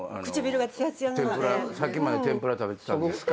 さっきまで天ぷら食べてたんですか？